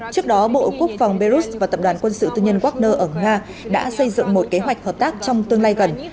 trước đó bộ quốc phòng belarus và tập đoàn quân sự tư nhân wagner ở nga đã xây dựng một kế hoạch hợp tác trong tương lai gần